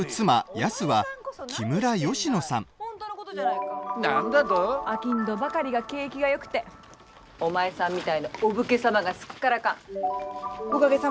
あきんどばかりが景気がよくてお前さんみたいなお武家様がすっからかん。